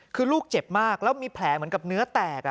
คือลูกเจ็บมากแล้วมีแผลเหมือนกับเนื้อแตก